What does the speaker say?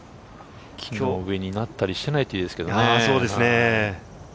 木の上になったりしてないといいですけどね。